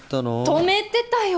止めてたよ